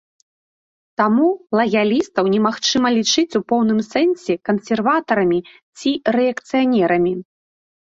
Таму лаялістаў не магчыма лічыць у поўным сэнсе кансерватарамі ці рэакцыянерамі.